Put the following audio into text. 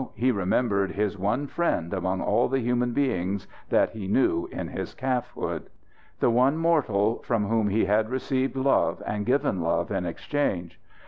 He remembered his one friend among all the human beings that he knew in his calfhood; the one mortal from whom he had received love and given love in exchange.